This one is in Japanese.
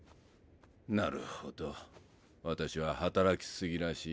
なるほど私は働きすぎらしい。